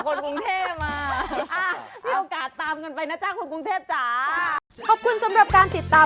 ข้นใสเอาทำข้นแล้วใส